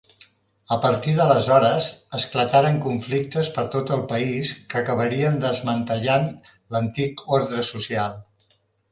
A partir d'aleshores, esclataren conflictes per tot el país que acabarien desmantellant l'antic ordre social.